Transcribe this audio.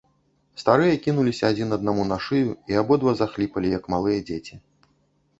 Старыя кінуліся адзін аднаму на шыю і абодва захліпалі, як малыя дзеці.